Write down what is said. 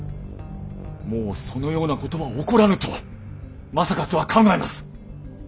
もうそのようなことは起こらぬと正勝は考えます！